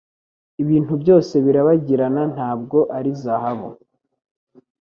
Ibintu byose birabagirana ntabwo ari zahabu